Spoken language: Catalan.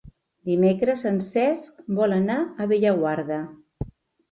Dimecres en Cesc vol anar a Bellaguarda.